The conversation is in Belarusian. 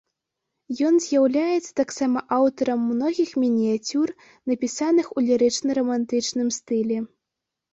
Ён з'яўляецца таксама аўтарам многіх мініяцюр, напісаных у лірычна-рамантычным стылі.